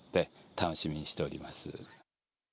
楽しみにしております。